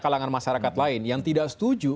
kalangan masyarakat lain yang tidak setuju